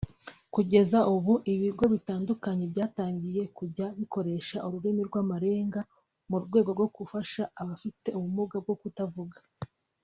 Kugeza ubu ibigo bitandukanye byatangiye kujya bikoresha ururimi rw’amarenga mu rwego rwo gufasha abafite ubumuga bwo kutavuga